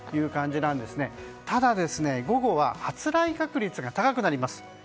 ただ、午後は発雷確率が高くなります。